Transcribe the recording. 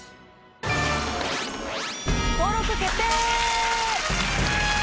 登録決定！